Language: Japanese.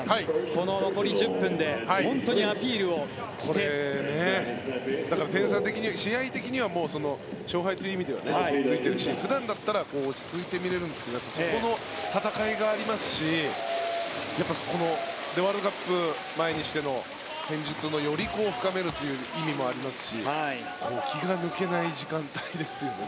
この残り１０分で点差的に試合的には勝敗という意味ではついてるし普段だったら落ち着いて見れるんですけどそこの戦いがありますしワールドカップを前にしての戦術をより深めるという意味もありますし気が抜けない時間帯ですよね